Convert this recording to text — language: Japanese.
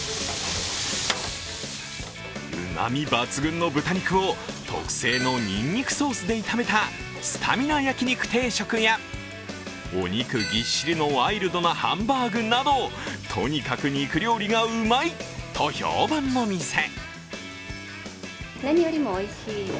うまみ抜群の豚肉を特製のにんにくソースで炒めたスタミナ焼肉定食やお肉ぎっしりのワイルドなハンバーグなどとにかく肉料理がうまいと評判の店。